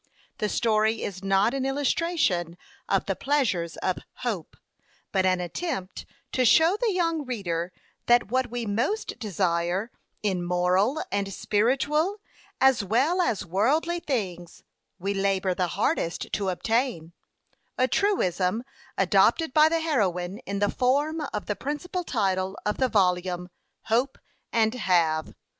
The story is not an illustration of the "pleasures of hope;" but an attempt to show the young reader that what we most desire, in moral and spiritual, as well as worldly things, we labor the hardest to obtain a truism adopted by the heroine in the form of the principal title of the volume, Hope and Have.